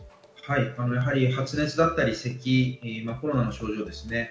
発熱だったり咳、コロナの症状ですね。